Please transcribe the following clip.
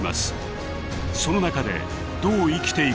その中でどう生きていくべきなのか。